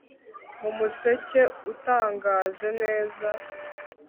mu museke utangaje neza